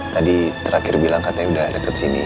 tadi terakhir bilang katanya udah deket sini